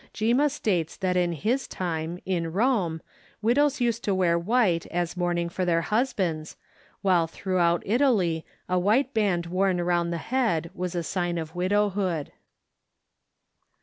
Gimma states that in his time, in Rome, widows used to wear white as mourning for their husbands, while throughout Italy a white band worn around the head was a sign of widowhood.